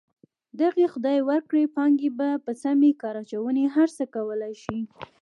دغې خدای ورکړې پانګې په سمې کار اچونې هر څه کولی شي.